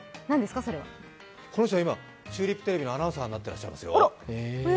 この人、今、チューリップテレビのアナウンサーになっているそうですよ。